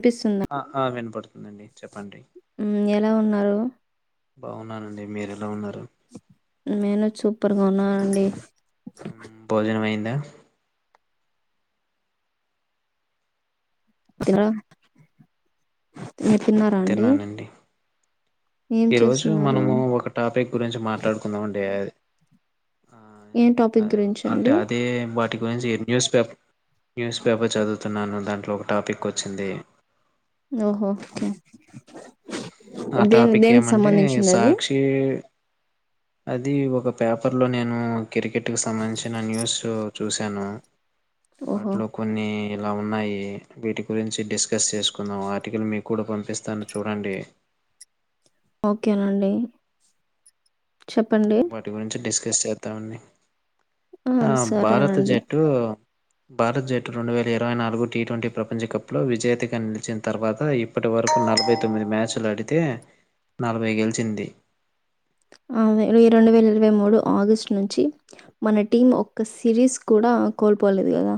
కనిపిస్తుందా ఆ ఆ వినపడుతుందండి చెప్పండి. మ్మ్ ఎలా ఉన్నారు? బాఉన్ ఉన్నానండి మీర ఎలా ఉన్నారు? ఉన్న అండి భోజనం అయిం దా ఇదర మీరు తిన్నారా అండి? ఏం ఈ రోజు చేస్తున్నారు మనము ఒక టాపిక్ గురించి మాట్లాడుకుందామ అండి అది ఆ ఏ టాపిక్ అదే గురించ అంటే అండి అదే వాటి గురించి న్యూస్ పేర్ న్యూస్ పేపర్ చదువుతున్నాను దాంట్లో ఒక టాపిక్ వచ్చింది ఓహో ఆ దేని టాపిక్ దేనికి ఏమంటే సంబంధించింది అది సాక్షి అది అది ఒక పేపర్ లో నేను క్రికెట్ కి సంబంధించిన న్యూస్ చూశాను ఓహో వాటిలో కొన్ని ఇలా ఉన్నాయి వీటి గురించి డిస్కస్ చేసుకున్నాం ఆర్టికల్ మీకు కూడా పంపిస్తాను చూడండి ఓకేనండి చెప్పండి వాటి గురించి డిస్ చేసేస్తా ఉండి ఆ భారత జట్టు భారత్ జట్టు రెండు వేల ఇరవై నాలుగు టీ ట్వంటీ ప్రపంచకప్లో విజేతగా నిలిచిన తర్వాత ఇప్పటి వరకు నలభై తొమ్మిది మ్యాచ్లు అడితే నలభై గెలిచింది రెండు వేల ఇరవై మూడు ఆగస్టు నుంచి మన టీం ఒక్క సిరీస్ కూడా కోల్పోలేదు కదా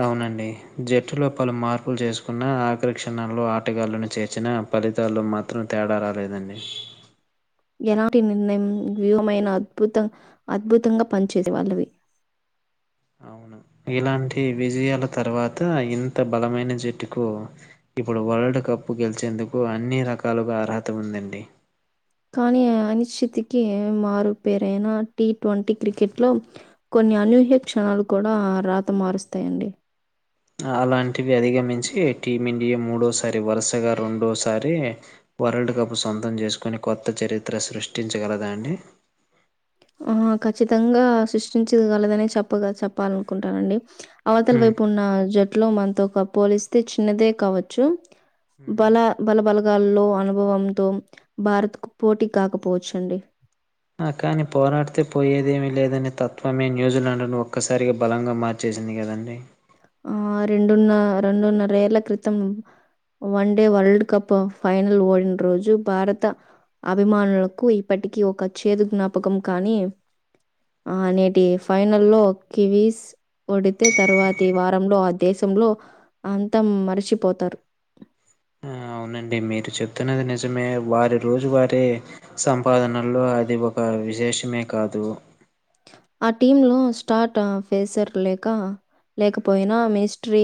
అవునండి జట్టులో పలు మార్పులు చేసుకున్న ఆఖరి క్షణాంలో ఆటగాళ్లను చేర్చిన ఫలితాల్లో మాత్రం తేడా రాలేదండి ఎలాంటి నిర్ణయం వ్యూమైన అద్భుతంగా పనిచేది వాళ్ళవి అవును ఇలాంటి విజయాల తర్వాత ఇంత బలమైన జట్టుకు ఇప్పుడు వరల్డ్ కప్ గెలిచేందుకు అన్ని రకాలుగా అర్హత ఉందండి కానీ అనిశ్చితికి మారుపేరైైన టీ ట్వంటీ క్రికెట్లో కొన్ని అనూహ్య క్షణాలు కూడా రాత మారుస్తాయండి అలాంటివి అధిగమించి టీమిండియా మూడోసారి వరుసగా రెండోసారి వరల్డ్ కప్ సొంతం చేసుకుొని కొత్త చరిత్ర సృష్టించగలదా అండి ఆ ఖచ్చితంగా సృష్టించగలదనే చెప్పగా చెప్పాలనుకుంటానండి అవతల హ్మ్. వైపు ఉన్న జట్ ఇట్లో మనతో పోలిస్తే ఇస్తే చిన్నదే కావచ్చు బల బల బలగాల్లో అనుభవంతో భారత్కు పోటీ కాకపోచ్చండి కానీ పోరాడితే పోయేదేమీ లేదనే తత్వమే న్యూజిలాండ్ను ఒక్కసారిగా బలంగా మార్చేసింది కదండి ఆ రెండున్న రెండున్నర ఏళ్ల క్రితం one day world cup final ఓడిన రోజు భారత అభిమానులకు ఇప్పటికీ ఒక చేదు జ్ఞాపకం కానీ ఆ నేటి ఫైనల్లో కివీస్ ఓడితే తర్వాత ప్రతి వారంలో ఆ దేశంలో అంత మరిచిపోతారు ఆ అవునండి మీరు చెప్తున్నది నిజమే వారి రోజు వారి సంపాదనలో అది ఒక విశేషమే కాదు ఆ టీ లో స్టార్ట్ ఫేసర్ లేక లేకపోయినా మిస్ట్రీ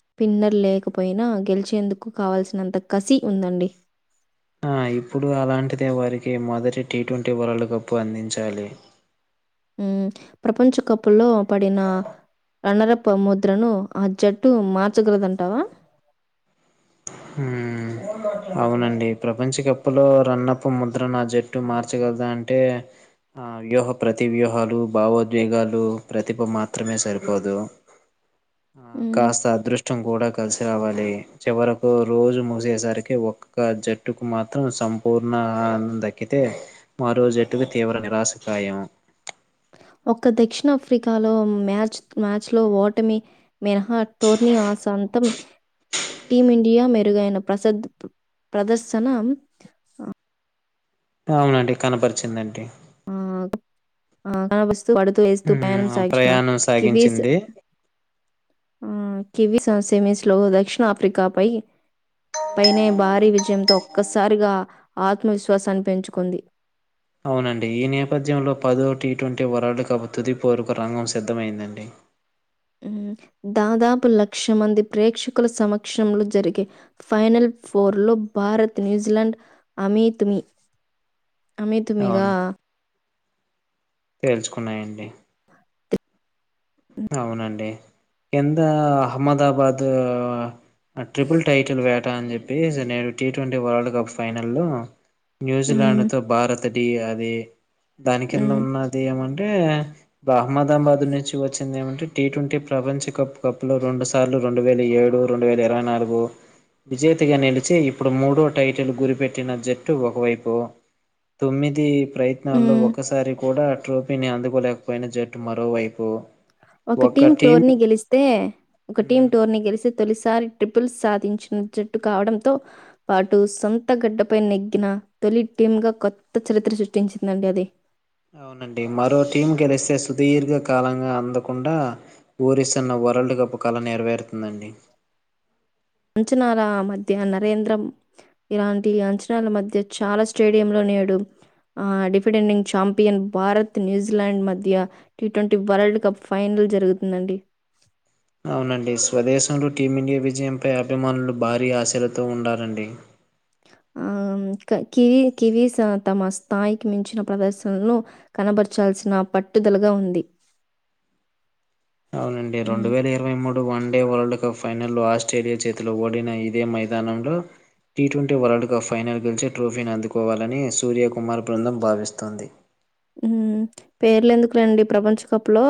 స్పిన్నర్ లేకపోయినా గెలిచేందుకు కావాల్సినంత కసి ఉందండి ఆ ఇప్పుడు అలాంటిద వారికి మొదటి టీ ట్వంటీ వరల్డ్ కప్ అందించాలి హ్మ్మ్ ప్రపంచ కప్పుల్లో పడినా అనర ముద్రను ఆ జట్టు మాత్ర చ్చుగ్రదంటావా హ్మ్మ్ అవునండి ప్రపంచకప్పులో రన్నప్ప ముద్ర నా జట్టు మార్చగలదా అంటే ఆ వ్యూహ ప్రతి వ్యూహాలు భావోద్వేగాలు ప్రతిభ మాత్రమే సరిపోదు ఆ ఉమ్. కాస్త అదృష్టం కూడా కల్సిరావాలే. చివరకు రోజు మూసేసరికి ఒక్కొక్క జట్టుకు మాత్రం సంపూర్ణ అంద దక్కితే. మరో జట్టుకి తీవ్ర నిరాశ. సాయమో. ఒక్క దక్షిణాఫ్రికాలో మ్యాచ్ మ్యాచ్ లో ఓటమి. మినహా టోర్ని ఆసాంతం. టీమిండియా మెరుగైన ప్రసద్ ప్రదర్శనం. అవునండి కనబరిచిందండి. ఆహ్, ఆహ్ రవస్. పడుతూ లేస్తూ ఉమ్ పేరెంట్స్ ఆ ఆహ్ ఇచ్చిన ప్రయాణం కివీస్. సాగించింది ఉమ్ కివి స సెమీస్లో దక్షిణ ఆఫ్రికాపై పైనే భారీ విజయంతో ఒక్కసారిగా ఆత్మవిశ్వాసాన్ని పెంచుకుంది. అవునండి ఈ నేపథ్యంలో పదో టి ట్వంటీ. వరల్డ్ కప్ తుది పోరుకు రంగం సిద్ధమైందండి. దాదాపు లక్ష మంది ప్రేక్షకుల సమక్షంలో జరిగే ఫైనల్ ఫోర్లో భారత్ న్యూజిలాండ్ అమీత్మి. అమీ తుమీగా. తేలుచుకున్నాయండి. అవునండి ఎంత అహ్మదాబాద్. ఆహ్. ఆ ట్రిపుల్ టైటిల్ వేటా అని చెప్పి. నేను T twenty world cup final లో హ్మ్. న్యూజిలాండ్ తో భారత్. తది అది. దాని కింద మ్మ్ ఉన్నది ఏమన్. అంతేగ అహ్మదాబాద్ నుంచి. నేనేమంటే టిట్వంటీ ప్రపంచ కప్ లో రెండు సార్లు రెండు వేల ఏడు, రెండు వేల ఇరవై నాలుగు విజేతగా నిలిచి ఇప్పుడు మూడో టైటిల్ గురిపెట్టిన జట్టు ఒకవైపు. తొమ్మిది ప్రయత్నాల్లో మ్మ్ ఒకసారి కూడా. ట్రోఫీని అందుకోలేకపోయిన జట్టు మరోవైపు. ఒక టీమ్ టోర్ ని గెలిస్తే ఒక టీమ్ టోర్ ని గెలిస్. తొలిసారి ట్రిపుల్స్ సాధించిన జట్టు కావడంతో పాటు సొంత గడ్డపై నెగ్గిన తొలి టీమ్ గా కొత్త చరిత్ర సృష్టించిందండి అది. అవునండి మరో టీం గెలిస్తే స. సుదీర్ఘ కాలంగా అందకుండా ఊరిస్తున్న వరల్డ్ కప్ కళ నెరవేరుతుందండి. అంచనాల మధ్య నరేంద్ర ఇలాంటి అంచనాల మధ్య చాలా స్టేడియంలో నేడు ఆ డిఫెండింగ్ ఛాంపియన్ భారత్ న్యూజిలాండ్ మధ్య టీట్వంటీ వరల్డ్ కప్ ఫైనల్ జరుగుతుందండి. అవునండి స్వదేశంలో టీమిండియా విజయంపై అభిమానులు భారీ ఆశలతో ఉండారండి. ఆహ్ కివి కివీస్ తమ స్థాయికి మించిన ప్రదర్శనలను కనబరచాల్సిన పట్టుదలగా ఉంది. అవునండి రెండు మ్మ్ వేల ఇరవై మూడు వ డే వరల్డ్ కప్ ఫైనల్లో ఆస్ట్రేలియా చేతిలో ఇదే వరల్డ్ కప్ ఆస్ట్రేలియా ఫైనల్ లో ఓడిన ఇదే మైదానంలో T twenty world cup final గెలిచి ట్రోఫీని అందుకోవాలని సూర్యకుమార్ బృందం భావిస్తోంది మ్మ్ పేర్లు ఎందుకులేండి ప్రపంచ కప్ లో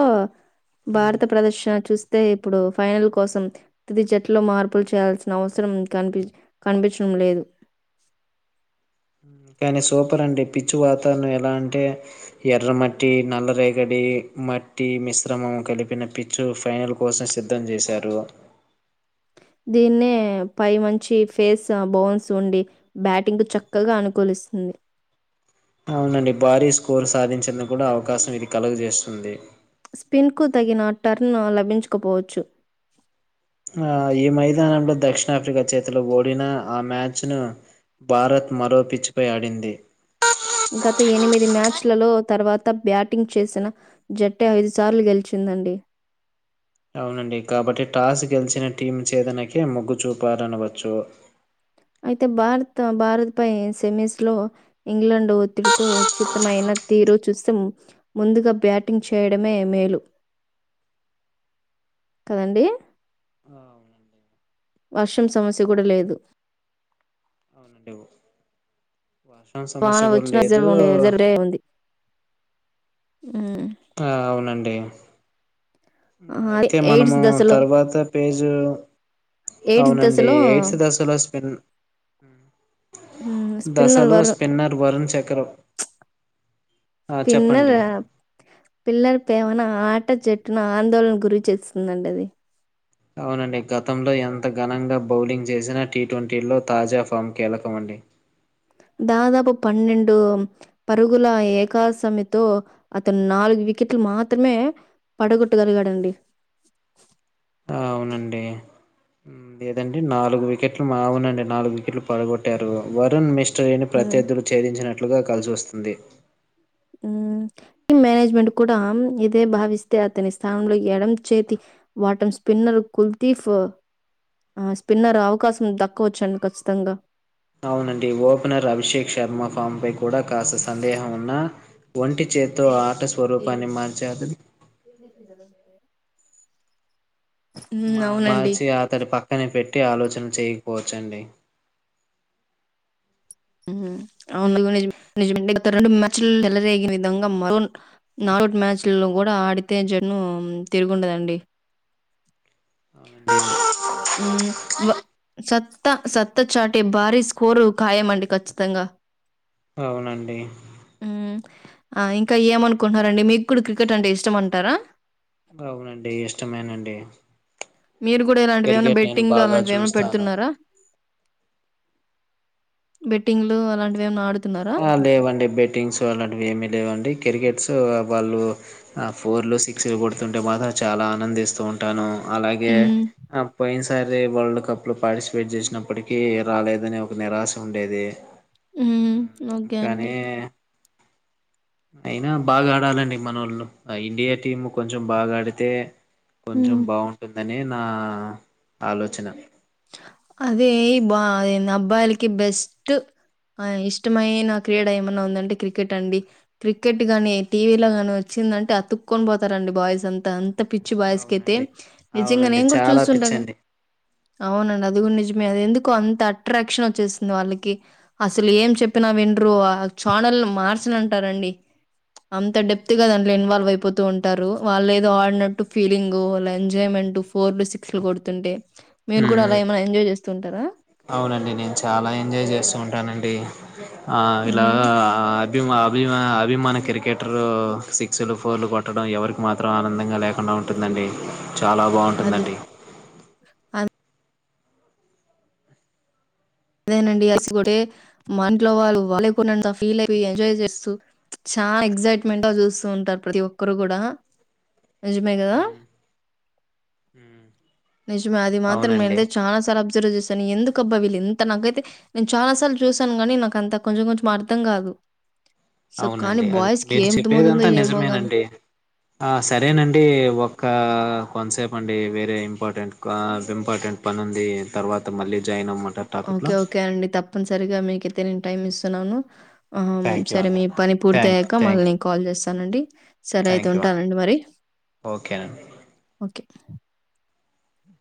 భారత ప్రదర్శన చూస్ తే ఇప్పుడు ఫైనల్ కోసం తుది జట్టులో మార్పులు చేయాల్సిన అవసరం కనిపించ కనిపించడం లేదు కానీ సూపర్ అండి పిచ్చు వాతావరణం ఎలా అంటే ఎర్ర మట్టి నల్ల రేగడి మట్టి మిశ్రమం కలిపిన పిచ్చు ఫైనల్ కోసం సిద్ధం చేశారు దీన్నే పై మంచి ఫేస్ బౌన్స్ ఉండి బ్యాటింగ్ కు చక్కగా అనుకూలిస్తుంది అవునండి భారీ స్కోర్ సాధించందుకు కూడా అవకాశం ఇది కలగ చేేస్తుంది ఉంది స్పిన్ కు తగిన టర్న్ లభించకపోవచ్చు ఆ ఈ మైదానంలో దక్షిణాఫ్రికా చేతులు ఓడిన ఆ మ్యాచ్ను భారత్ మరో పిచ్చిపై ఆడింది గత ఎనిమిది మ్యాచ్లలలో తర్వాత బ్యాటింగ్ చేసిన జట్టే ఐదు సార్లు గెలిచిందండి అవునండి కాబట్టి టాస్ గెలిచిన టీం చేదనకి మొగ్గు చూపారనవచ్చు అయితే భారత్ భారత్ పై సెమీస్ తో ఇంగ్లాండ్ ఒత్తిడితో చిత్తమైన తీరు చూస్తే ముందుగా బ్యాటింగ్ చేయడమే మేలు కదండి ఆ, అవునండి వర్షం సమస్య కూడా లేదు అవునండి వర్షం వాన సమస్య కూడా వచ్చిన జ లేదు. జరుడే ఉంది ఉమ్, ఆ అవునండి ఏం ఆ, అదే అయితే ఎయిడ్స్ మనము దశలో తర్వాత పేజు ఎయిడ్స్ అవునండి దశలో ఎయిడ్స్ దశలో స్పన్ ఉమ్, స్పిన్నర్ దశలో వరు స్పిన్నర్ వరుణ్ చక్ర స్పిన్నర్ పిల్లర్ పేవన ఆట జట్టును ఆందోళన గురి చేస్తుందండి అది అవునండి గతంలో ఎంత ఘనంగా బౌలింగ్ చేసినా టీ ట్వంటీలో తాజా ఫామ్ కీలకమండి దాదాపు పన్నెండు పరుగుల ఏకాసమితో అతను నాలుగు వికెట్లు మాత్రమే పడగొట్టగలిగాడండి అవునండి లేదండి నాలుగు వికెట్లు అవునండి నాలుగు వికెట్లు పడగొట్టారు వరుణ్ మిస్ స్టీని హ్మ్ ప్రత్యర్థలు ఛేదినట్లు కలిసిస్తస్తుంది ఉంది మ్మ్ టీమ్ మేనేజ్మెంట్ కూడా ఇదే భావిస్తే అతని స్థానంలో ఎడం చేతి వాటం స్పిన్నర్ కుల్తీఫ్ ఆ స్పిన్నర్ అవకాశం దక్కవచ్చండి ఖచ్చితంగా అవునండి ఓపెనర్ అభిషేక్ శర్మ ఫామ్ పై కూడా కాస్త సందేహం ఉన్నా వంటి చేతో ఆట స్వరూపాన్ని మార్చేత్తది హ్మ్. మా అవునండి. మార్చి అతడు పక్కనే పెట్ ట్టి ఆలోచన చేయకపోవచ్చండి [inaudible] గ రెండు మ్యాచ్ ఎలరేగే విధంగా మరో నాలుగు మ్యాచ్లో కూడా ఆడితే జన్న తిరుగుండదండి అవునండి మ్మ్ వ సత్ త్త సత్త చాటే భారీ స్కోరు ఖాయమండి ఖచ్చితంగా అవునండి హ్మ్. ఆ ఇంకా ఏమనుకుంటునరండి మీకు కూడా క్రికెట్ అంటే ఇష్టం అంటారా అవునండి ఇష్టమేనండి మీరు కూడా ఇలాంటివి ఏమైన్నా క్రికెట్ నేను బెట్టింగ్ లో బాగా అలాంటివి ఏమైనా చూస్తాను పెడుతున్నారా బెట్టింగ్లు అలాంటివి ఏమన్నా ఆడుతున్నారా ఆ లేవండి బెట్టింగ్స్ అలాంటివి ఏమి లేవండి క్రికెట్స్ వాళ్ళు ఫోర్లు సిక్స్లు కొడుతుంటే మాత్రం చాలా ఆనందిస్తూ ఉంటాను అలాగే హ్మ్. ఆ పోయిన సారి అరే వరల్డ్ కప్ లో పార్టిసిపేట్ చేసినప్పటికీ రాలేదని ఒక నిరాశ ఉండేది ఉ కానీ అయినా బాగా ఆడాలండి మనోళ్లు ఇండియా టీమ్ కొంచెం బాగా ఆడితే కొంచెం హ్మ్. బాగుంటుందని నా ఆలోచన అదే బా అబ్బాయిలకి బెస్ట్ ఇష్టమైన క్రీడ ఏమన్నా ఉందంటే క్రికెట్ అండి. క్రికెట్ కాని టీవీలో గాని వచ్చిందంటే అతుక్కొని పోతారండి బాయ్స్ అంతా ఇంత పిచ్చి బాయస్కైతే అవునండి నిజంగా అవునండి నేను కూడా చాలా చూస్తుంటాగా పిచ్చండి అవునండి అది గుడానిజమే. అది ఎందుకొ అంత అట్రాక్షన్ వచ్చేస్తుంది. వాళ్ళకి అసలు ఏం చెప్పినా వినరు, ఆ ఛానల్ మార్చనంటారండి. అంత డెప్త్ గా దాంట్లో ఇన్వాల్వ్ అయిపోతూ ఉంటారు వాళ్ళు ఏదో ఆడినట్టు ఫీలింగ్ వాళ్ళ ఎంజాయ్మెంట్ ఫోర్లు సిక్స్లు కొడుతుంటే మీరు కూడా అలా ఏమైనా ఎంజాయ్ చేస్తూ ఉంటారా? అవునండి నేను చాలా ఎంజాయ్ చేస్తూ ఉంటానండి ఆ ఇలాగ హ్మ్. ఆ ఇ మా అభిమా అభిమాన క్రికెటరు సిక్స్లు ఫోర్లు కొట్టడం ఎవరికి మాత్రం ఆనందంగా లేకుండా ఉంటుందండి చాలా అదే. బాగుంటుందండి అదేనండి అస్కోటీ కూడా మన ఇంట్లో వాళ్ళు వాలేకు ఫీల్ అయి ఎంజాయ్ చేస్తూ చాలా ఎక్సయిట్మెంట్ గా చూస్తూ ఉంటారు ప్రతి ఒక్కరు కూడా నిజమే కదా మ్మ్ మ్మ్ నిజమే అది మాత్రం అవునండి నేనైతే చాలా సార్లు అబ్ ర్ జూశాను ఎందుకబ్బా వీల్లు ఇం అంత నాకైతే నేను చాలా సార్లు చూసాను గానీ నాకు అంత కొంచెం కొంచెం అర్థం కాదు సో, కానీ అవునండి అది బాయ్స్‌కి మీరు ఏం అర్థమవుతుందో చెప్పేదంతా ఏమో గాని. నిజమేనండి ఆ సరేనండి ఒక కొన్సేప్ అండి వేరే ఇంపార్టెంట్ ఆ ఇంపార్టెంట్ పని ఉంది తర్వాత మళ్ళీ జాయిన్ అవమ ఓకే ఓకే అండి తప్పనిసరిగా మీకైయితే నేను టైమ్ ఇస్తున్నాను నను అహ థ్యాంక్ యూ సరే అండి మీ పని పూర్తి థ్యాంక్ అయ్యాక మళ్ళ థ్యాంక్ నేను కాల్ చేస్ అనండి సరే అయితే థ్యాంక్ యూ అండి ఉంటానండి మరి ఓకేనండి ఓకే